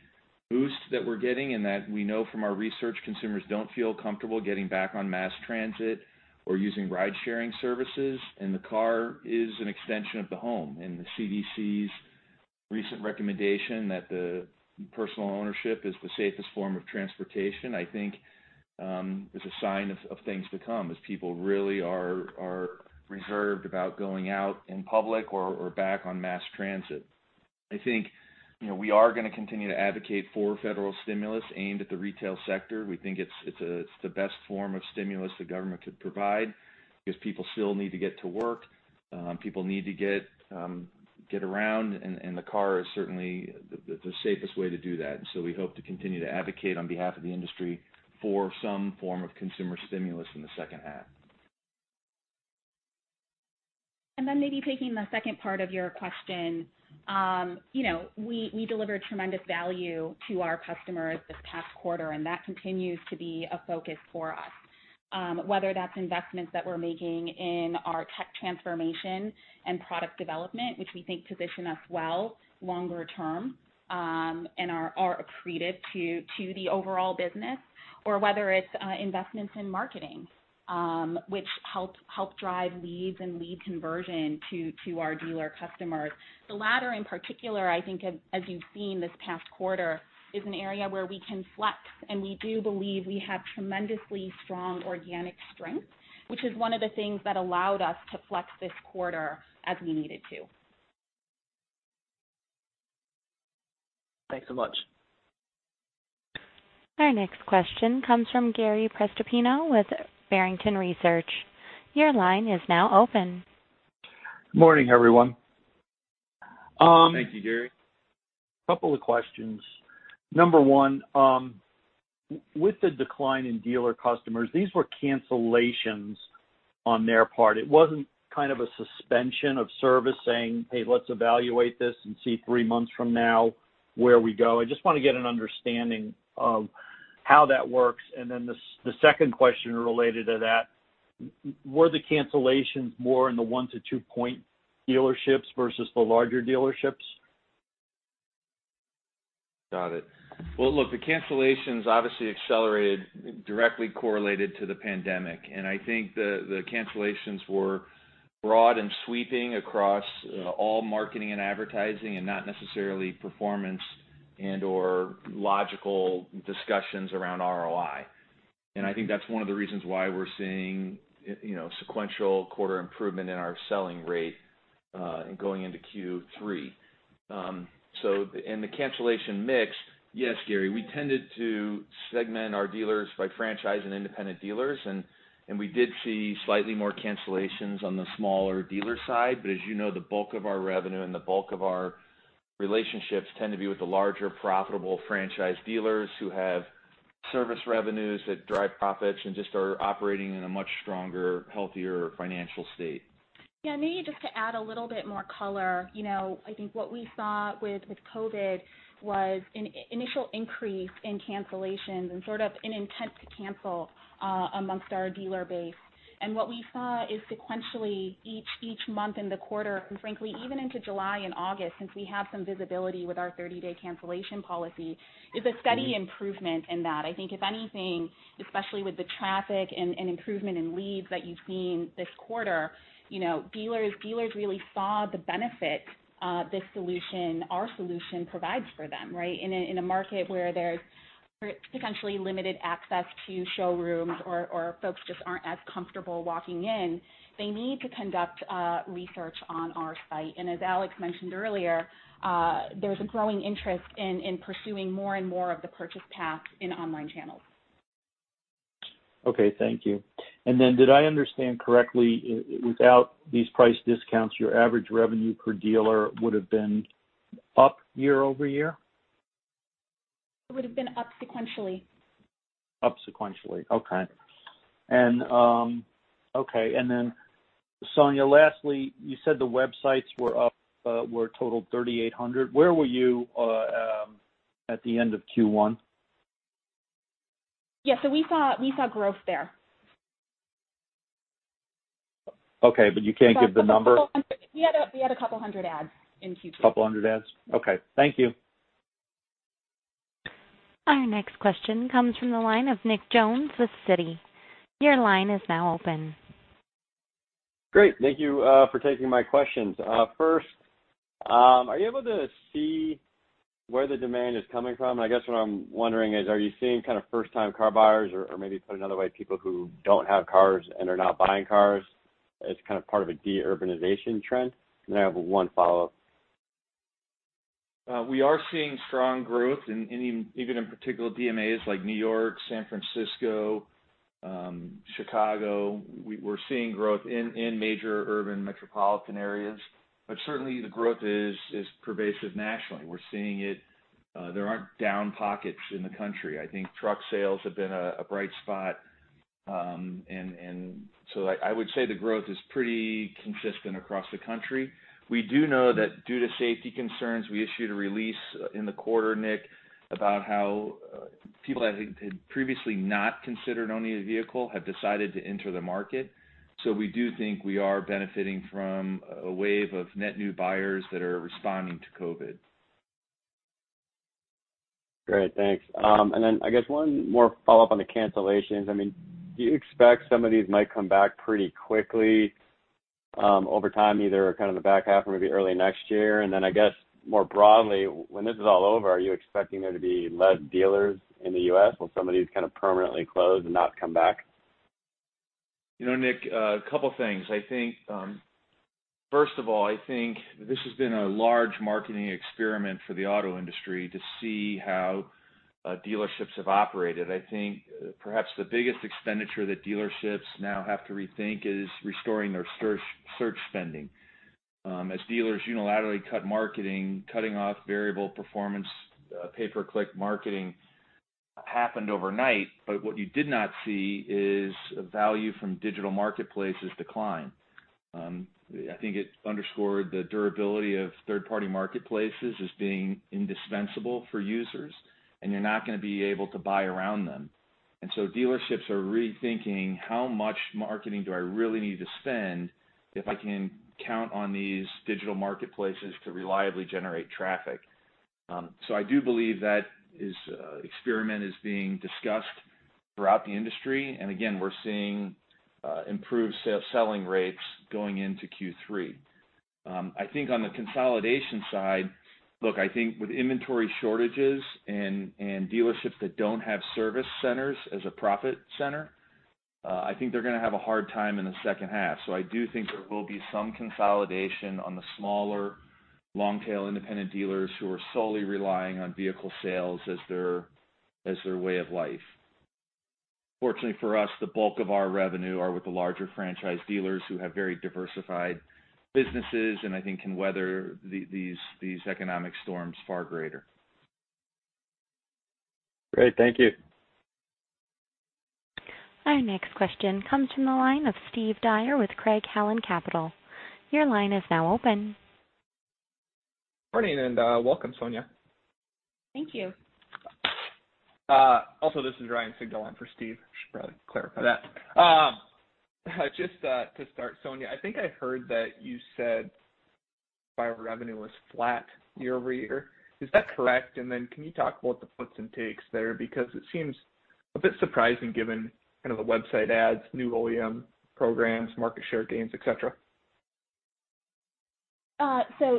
boost that we're getting in that we know from our research, consumers don't feel comfortable getting back on mass transit or using ride-sharing services, and the car is an extension of the home. The CDC's recent recommendation that the personal ownership is the safest form of transportation, I think is a sign of things to come as people really are reserved about going out in public or back on mass transit. I think we are going to continue to advocate for federal stimulus aimed at the retail sector. We think it's the best form of stimulus the government could provide because people still need to get to work. People need to get around, and the car is certainly the safest way to do that. We hope to continue to advocate on behalf of the industry for some form of consumer stimulus in the second half. Maybe taking the second part of your question. We delivered tremendous value to our customers this past quarter, and that continues to be a focus for us. Whether that's investments that we're making in our tech transformation and product development, which we think position us well longer term and are accretive to the overall business. Or whether it's investments in marketing which help drive leads and lead conversion to our dealer customers. The latter in particular, I think as you've seen this past quarter, is an area where we can flex, and we do believe we have tremendously strong organic strength, which is one of the things that allowed us to flex this quarter as we needed to. Thanks so much. Our next question comes from Gary Prestopino with Barrington Research. Your line is now open. Morning, everyone. Thank you, Gary. A couple of questions. Number one, with the decline in dealer customers, these were cancellations on their part. It wasn't kind of a suspension of service saying, "Hey, let's evaluate this and see three months from now where we go." I just want to get an understanding of how that works. The second question related to that, were the cancellations more in the one- to two-point dealerships versus the larger dealerships? Got it. Well, look, the cancellations obviously accelerated directly correlated to the pandemic, and I think that's one of the reasons why we're seeing sequential quarter improvement in our selling rate going into Q3. I think the cancellations were broad and sweeping across all marketing and advertising, and not necessarily performance and/or logical discussions around ROI. In the cancellation mix, yes, Gary, we tended to segment our dealers by franchise and independent dealers, and we did see slightly more cancellations on the smaller dealer side. As you know, the bulk of our revenue and the bulk of our relationships tend to be with the larger, profitable franchise dealers who have service revenues that drive profits and just are operating in a much stronger, healthier financial state. Yeah. Maybe just to add a little bit more color. I think what we saw with COVID-19 was an initial increase in cancellations and sort of an intent to cancel amongst our dealer base. What we saw is sequentially each month in the quarter, and frankly, even into July and August, since we have some visibility with our 30-day cancellation policy, is a steady improvement in that. I think if anything, especially with the traffic and improvement in leads that you've seen this quarter, dealers really saw the benefit this solution, our solution provides for them, right? In a market where there's potentially limited access to showrooms or folks just aren't as comfortable walking in, they need to conduct research on our site. As Alex mentioned earlier, there's a growing interest in pursuing more and more of the purchase path in online channels. Okay. Thank you. Did I understand correctly, without these price discounts, your average revenue per dealer would've been up year-over-year? It would've been up sequentially. Up sequentially. Okay. Then Sonia, lastly, you said the websites were up, were a total of 3,800. Where were you at the end of Q1? Yeah. We saw growth there. Okay. You can't give the number? We had a couple hundred adds in Q2. Couple hundred adds. Okay. Thank you. Our next question comes from the line of Nick Jones with Citi. Your line is now open. Great. Thank you for taking my questions. First, are you able to see where the demand is coming from? I guess what I'm wondering is, are you seeing kind of first time car buyers, or maybe put another way, people who don't have cars and are not buying cars as kind of part of a de-urbanization trend? I have one follow-up. We are seeing strong growth in even in particular DMAs like New York, San Francisco, Chicago. We're seeing growth in major urban metropolitan areas. Certainly, the growth is pervasive nationally. We're seeing it. There aren't down pockets in the country. I think truck sales have been a bright spot. I would say the growth is pretty consistent across the country. We do know that due to safety concerns, we issued a release in the quarter, Nick, about how people that had previously not considered owning a vehicle have decided to enter the market. We do think we are benefiting from a wave of net new buyers that are responding to COVID-19. Great. Thanks. I guess one more follow-up on the cancellations. Do you expect some of these might come back pretty quickly, over time, either kind of the back half or maybe early next year? I guess more broadly, when this is all over, are you expecting there to be less dealers in the U.S.? Will some of these kind of permanently close and not come back? Nick, a couple things. First of all, I think this has been a large marketing experiment for the auto industry to see how dealerships have operated. I think perhaps the biggest expenditure that dealerships now have to rethink is restoring their search spending. As dealers unilaterally cut marketing, cutting off variable performance, pay per click marketing happened overnight. What you did not see is value from digital marketplaces decline. I think it underscored the durability of third-party marketplaces as being indispensable for users, and you're not going to be able to buy around them. Dealerships are rethinking how much marketing do I really need to spend if I can count on these digital marketplaces to reliably generate traffic? I do believe that experiment is being discussed throughout the industry. Again, we're seeing improved selling rates going into Q3. I think on the consolidation side, look, I think with inventory shortages and dealerships that don't have service centers as a profit center, I think they're going to have a hard time in the second half. I do think there will be some consolidation on the smaller long-tail independent dealers who are solely relying on vehicle sales as their way of life. Fortunately for us, the bulk of our revenue are with the larger franchise dealers who have very diversified businesses and I think can weather these economic storms far greater. Great. Thank you. Our next question comes from the line of Steve Dyer with Craig-Hallum Capital. Your line is now open. Morning and welcome, Sonia. Thank you. This is Ryan Sigdahl on for Steve. Should probably clarify that. Just to start, Sonia, I think I heard that you said Dealer Inspire revenue was flat year-over-year. Is that correct? Can you talk about the puts and takes there? Because it seems a bit surprising given kind of the website ads, new OEM programs, market share gains, et cetera.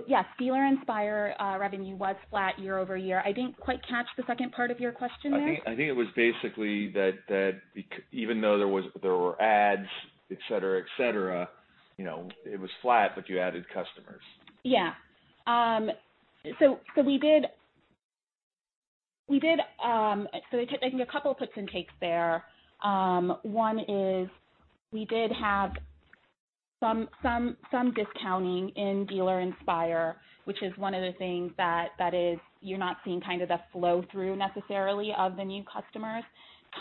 Yes, Dealer Inspire revenue was flat year-over-year. I didn't quite catch the second part of your question there. I think it was basically that even though there were ads, et cetera, it was flat, but you added customers. Yeah. I think a couple of puts and takes there. One is we did have some discounting in Dealer Inspire, which is one of the things that is you're not seeing kind of the flow through necessarily of the new customers.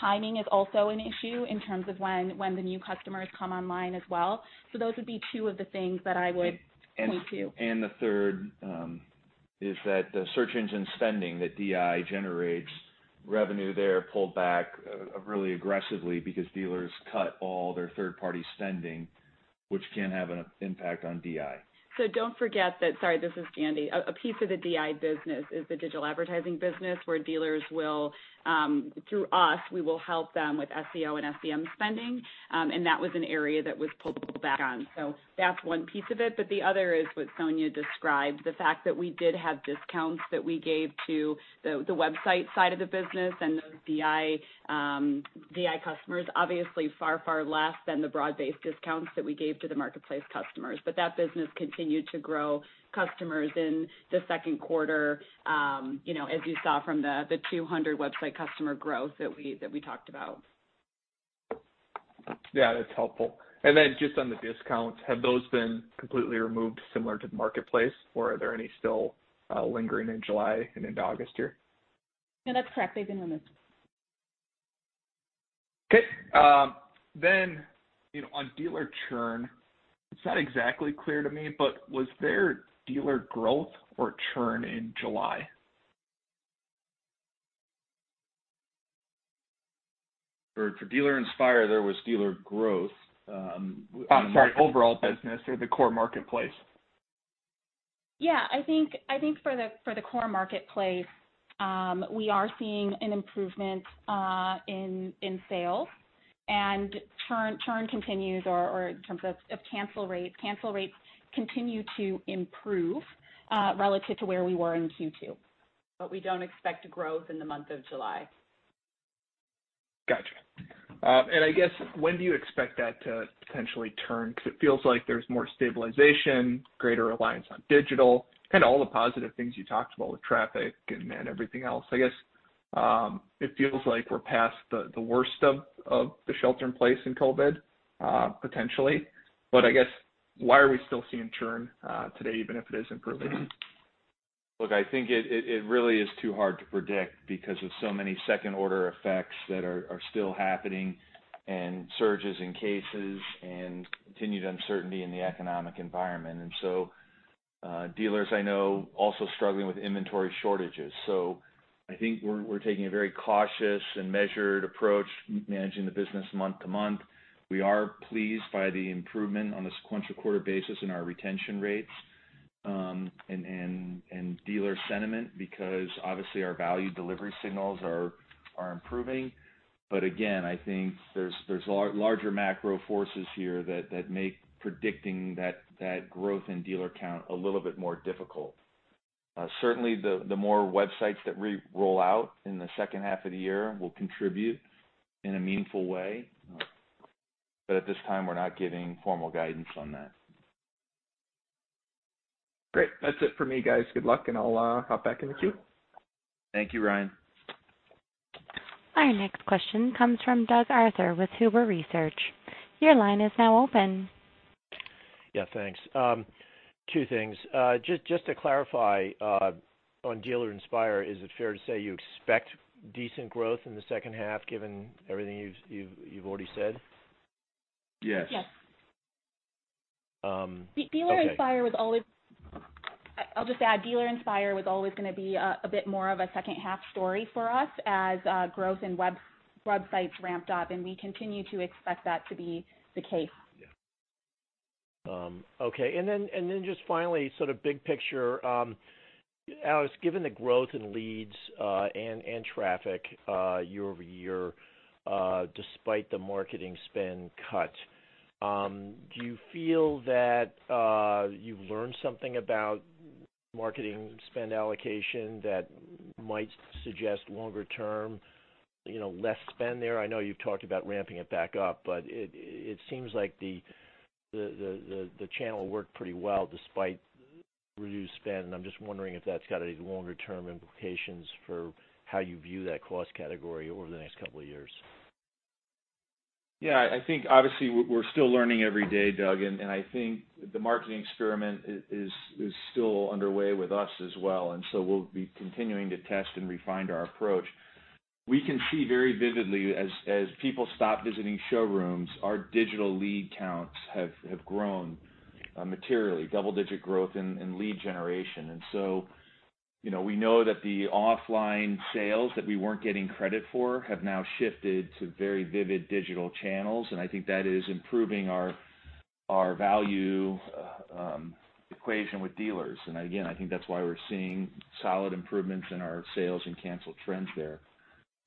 Timing is also an issue in terms of when the new customers come online as well. Those would be two of the things that I would point to. The third is that the search engine spending that DI generates revenue there pulled back really aggressively because dealers cut all their third-party spending, which can have an impact on DI. Don't forget that, sorry, this is Jandy. A piece of the DI business is the digital advertising business, where dealers will, through us, we will help them with SEO and SEM spending. That was an area that was pulled back on. That's one piece of it, but the other is what Sonia described, the fact that we did have discounts that we gave to the website side of the business and those DI customers. Obviously far, far less than the broad-based discounts that we gave to the marketplace customers. That business continued to grow customers in the second quarter, as you saw from the 200 website customer growth that we talked about. Yeah, that's helpful. Just on the discounts, have those been completely removed similar to the marketplace, or are there any still lingering in July and into August here? No, that's correct. They've been removed. Okay. On dealer churn, it's not exactly clear to me, but was there dealer growth or churn in July? For Dealer Inspire, there was dealer growth- Oh, sorry. In the overall business or the core marketplace. I think for the core marketplace, we are seeing an improvement in sales and cancel rates continue to improve relative to where we were in Q2. We don't expect growth in the month of July. Got you. I guess when do you expect that to potentially turn? Because it feels like there's more stabilization, greater reliance on digital, kind of all the positive things you talked about with traffic and everything else. I guess, it feels like we're past the worst of the shelter in place and COVID-19, potentially. I guess why are we still seeing churn today, even if it is improving? Look, I think it really is too hard to predict because of so many second-order effects that are still happening and surges in cases and continued uncertainty in the economic environment. Dealers I know also struggling with inventory shortages. I think we're taking a very cautious and measured approach managing the business month to month. We are pleased by the improvement on a sequential quarter basis in our retention rates, and dealer sentiment, because obviously our value delivery signals are improving. Again, I think there's larger macro forces here that make predicting that growth in dealer count a little bit more difficult. Certainly, the more websites that we roll out in the second half of the year will contribute in a meaningful way. At this time, we're not giving formal guidance on that. Great. That's it for me, guys. Good luck, and I'll hop back in the queue. Thank you, Ryan. Our next question comes from Doug Arthur with Huber Research. Your line is now open. Yeah, thanks. Two things. Just to clarify, on Dealer Inspire, is it fair to say you expect decent growth in the second half given everything you've already said? Yes. Yes. Okay. I'll just add, Dealer Inspire was always going to be a bit more of a second half story for us as growth in websites ramped up, and we continue to expect that to be the case. Yeah. Okay. Just finally, sort of big picture. Alex, given the growth in leads and traffic year-over-year, despite the marketing spend cut, do you feel that you've learned something about marketing spend allocation that might suggest longer term, less spend there? I know you've talked about ramping it back up, it seems like the channel worked pretty well despite reduced spend. I'm just wondering if that's got any longer-term implications for how you view that cost category over the next couple of years. Yeah, I think obviously we're still learning every day, Doug, and I think the marketing experiment is still underway with us as well. We'll be continuing to test and refine our approach. We can see very vividly as people stop visiting showrooms, our digital lead counts have grown materially, double-digit growth in lead generation. We know that the offline sales that we weren't getting credit for have now shifted to very vivid digital channels, and I think that is improving our value equation with dealers. I think that's why we're seeing solid improvements in our sales and cancel trends there.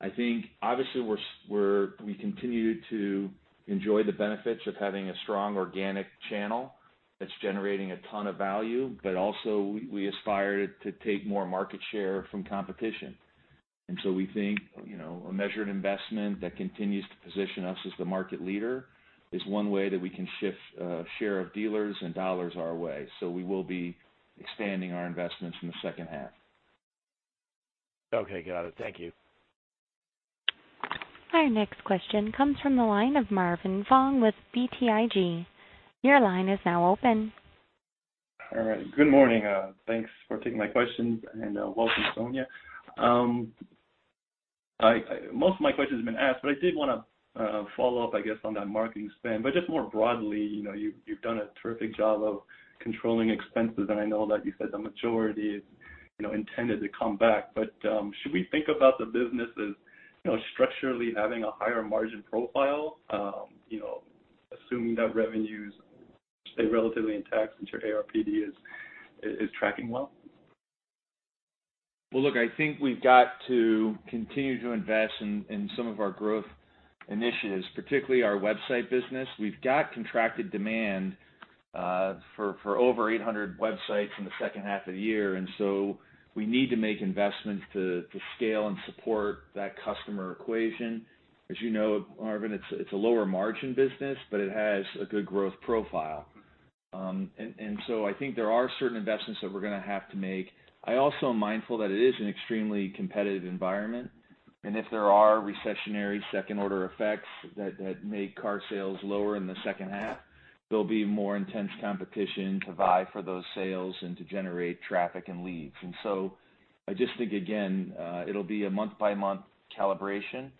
I think obviously we continue to enjoy the benefits of having a strong organic channel that's generating a ton of value, but also we aspire to take more market share from competition. We think, a measured investment that continues to position us as the market leader is one way that we can shift share of dealers and dollars our way. We will be expanding our investments in the second half. Okay, got it. Thank you. Our next question comes from the line of Marvin Fong with BTIG. Your line is now open. All right. Good morning. Thanks for taking my questions, and welcome, Sonia. Most of my questions have been asked, but I did want to follow up, I guess, on that marketing spend. Just more broadly, you've done a terrific job of controlling expenses, and I know that you said the majority is intended to come back. Should we think about the business as structurally having a higher margin profile, assuming that revenues stay relatively intact since your ARPD is tracking well? Well, look, I think we've got to continue to invest in some of our growth initiatives, particularly our website business. We've got contracted demand for over 800 websites in the second half of the year. We need to make investments to scale and support that customer equation. As you know, Marvin, it's a lower margin business, but it has a good growth profile. I think there are certain investments that we're going to have to make. I also am mindful that it is an extremely competitive environment, and if there are recessionary second-order effects that make car sales lower in the second half, there'll be more intense competition to vie for those sales and to generate traffic and leads. I just think, again, it'll be a month-by-month calibration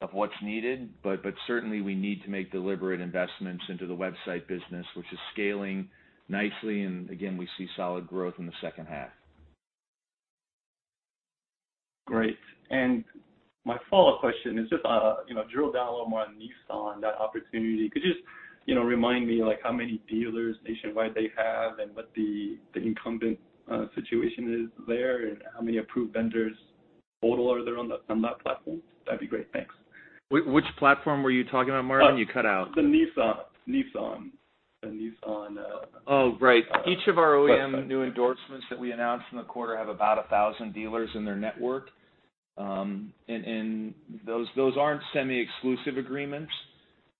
of what's needed. Certainly we need to make deliberate investments into the website business, which is scaling nicely. Again, we see solid growth in the second half. Great. My follow-up question is just drill down a little more on Nissan, that opportunity. Could you just remind me how many dealers nationwide they have and what the incumbent situation is there and how many approved vendors total are there on that platform? That'd be great. Thanks. Which platform were you talking about, Marvin? You cut out. The Nissan. Oh, right. Each of our OEM new endorsements that we announced in the quarter have about 1,000 dealers in their network. Those aren't semi-exclusive agreements.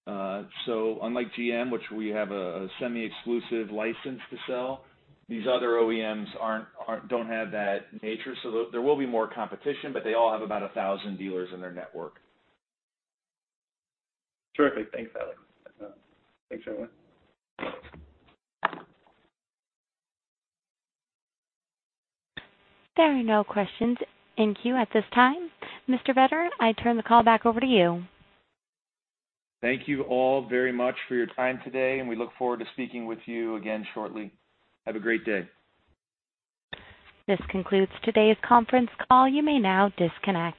Unlike GM, which we have a semi-exclusive license to sell, these other OEMs don't have that nature. There will be more competition, but they all have about 1,000 dealers in their network. Terrific. Thanks, Alex. Thanks, everyone. There are no questions in queue at this time. Mr. Vetter, I turn the call back over to you. Thank you all very much for your time today. We look forward to speaking with you again shortly. Have a great day. This concludes today's conference call. You may now disconnect.